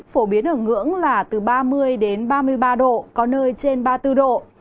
phổ biến ở ngưỡng là từ ba mươi đến ba mươi ba độ có nơi trên ba mươi bốn độ